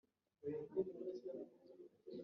Efodi na terafimu n igishushanyo kibajwe agenda